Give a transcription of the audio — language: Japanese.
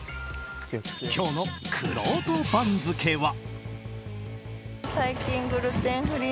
今日のくろうと番付は。